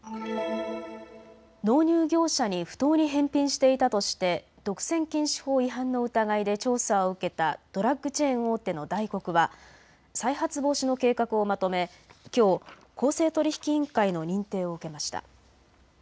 納入業者に不当に返品していたとして独占禁止法違反の疑いで調査を受けたドラッグチェーン大手のダイコクは再発防止の計画をまとめ、きょう公正取引委員会の認定を受けました。